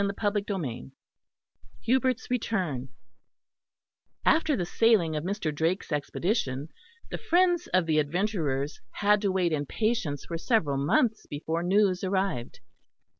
CHAPTER III HUBERT'S RETURN After the sailing of Mr. Drake's expedition, the friends of the adventurers had to wait in patience for several months before news arrived.